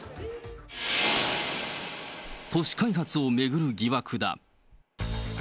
都市開発を巡る疑惑だ。